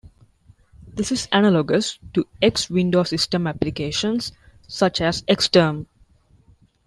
This is analogous to X Window System applications such as xterm.